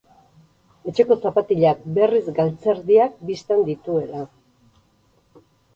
Etxeko zapatilak berriz galtzerdiak bistan dituela.